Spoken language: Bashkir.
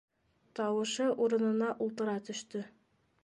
Тауышы урынына ултыра төштө.